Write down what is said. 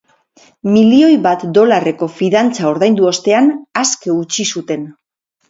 Milioi bat dolarreko fidantza ordaindu ostean, aske utzi zuten.